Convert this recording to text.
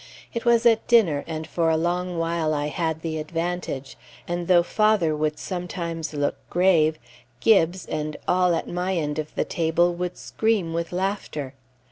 It was at dinner, and for a long while I had the advantage, and though father would sometimes look grave, Gibbes, and all at my end of the table, would scream with laughter.